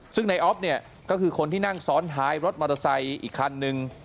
ซึ่งในออฟเนี่ยก็คือคนที่นั่งซ้อนท้ายรถมอเตอร์ไซค์อีกคันนึง